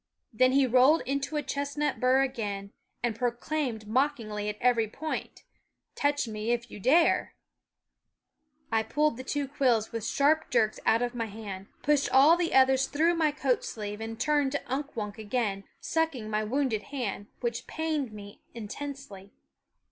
Then he rolled into a chestnut bur again, and proclaimed mockingly at every point :" Touch me if you dare !" I pulled the two quills with sharp jerks out of my hand, pushed all the others through my coat sleeve, and turned to Unk Wunk again, sucking my wounded hand, which pained me intensely.